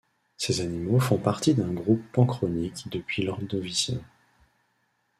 Ces animaux font partie d'un groupe panchronique depuis l'Ordovicien.